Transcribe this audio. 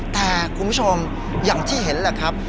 แต่คุณผู้ชมอย่างที่เห็นแหละครับ